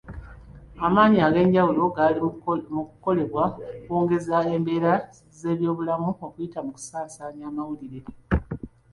Amaanyi ag'enjawulo gali mu kukolebwa okwongeza embeera z'ebyobulamu okuyita mu kusasaanya amawulire.